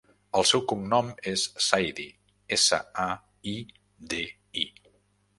El seu cognom és Saidi: essa, a, i, de, i.